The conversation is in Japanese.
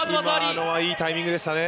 今のはいいタイミングでしたね。